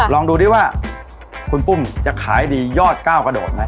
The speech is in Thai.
ลองดูดิว่าคุณปุ้มจะขายดียอด๙กระโดดมั้ย